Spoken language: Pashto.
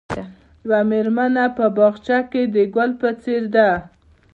یوه مېرمنه په باغچه کې د ګل په څېر ده.